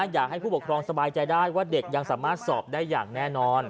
อยากให้ผู้ปกครองสบายใจได้ว่าเด็กยังสามารถสอบได้อย่างแน่นอน